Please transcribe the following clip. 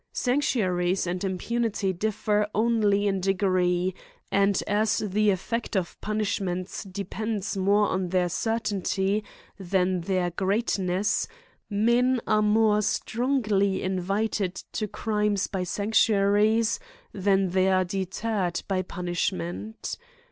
Sanctuaries and impunity dif fer only in degree, and as the effect of punish ments depends more on their certainty than their greatness, men are more strongly invited to crimes by sanctuaries than they are deterred by punish ment.